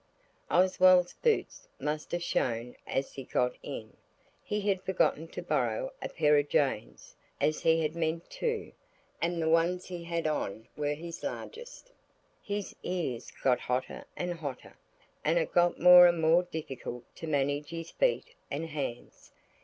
Oswald's boots must have shown as he got in. He had forgotten to borrow a pair of Jane's, as he had meant to, and the ones he had on were his largest. His ears got hotter and hotter, and it got more and more difficult to manage his feet and hands.